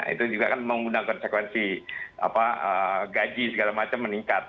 itu juga kan menggunakan konsekuensi gaji segala macam meningkat